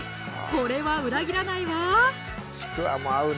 これは裏切らないわ